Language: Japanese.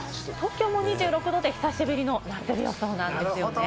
東京も２６度で久しぶりの夏日予想なんですよね。